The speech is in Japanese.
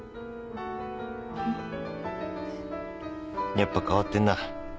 やっぱ変わってんな。